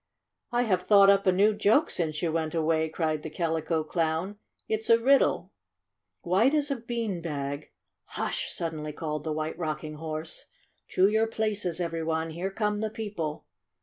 "I have thought up a new joke since you went away," cried the Calico Clown. " It 's a riddle. Why does a bean bag 9 9 "Hush!" suddenly called the White Rocking Horse. "To your places, every one ! Here come the People